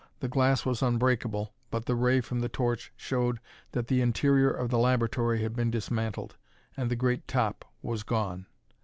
The glass was unbreakable, but the ray from the torch showed that the interior of the laboratory had been dismantled, and the great top was gone.